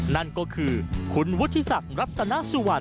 นั่นก็คือคุณวุฒิศักดิ์รัตนสุวรรณ